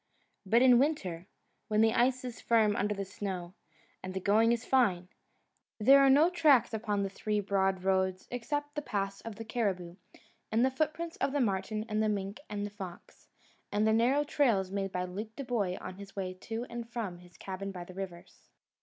But in winter, when the ice is firm under the snow, and the going is fine, there are no tracks upon the three broad roads except the paths of the caribou, and the footprints of the marten and the mink and the fox, and the narrow trails made by Luke Dubois on his way to and from his cabin by the rivers.